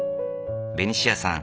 ベニシアさん